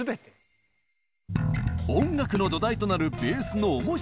音楽の土台となるベースの面白さとは？